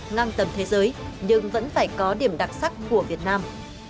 ngang tầm thế giới nhưng vẫn phải có điểm đặc sắc của việt nam